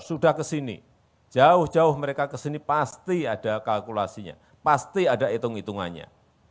sudah ke sini jauh jauh mereka ke sini pasti ada kalkulasinya pasti ada hitung hitungannya